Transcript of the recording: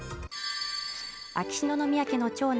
秋篠宮家の長男